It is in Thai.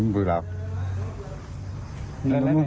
เราเล่นยามำดีกี่เม็ด